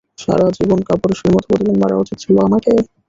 সারা জীবন কাপুরুষের মত প্রতিদিন মরা উচিত ছিলো আমাকে?